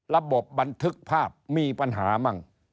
ระบบบันทึกภาพมีปัญหามั่ง